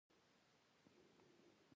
بل وويل: جيبونه يې خالي دی.